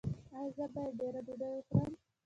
ایا زه باید ډیره ډوډۍ وخورم؟